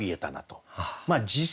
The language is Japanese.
まあ実際ね